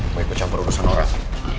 mau ikut campur urusan orang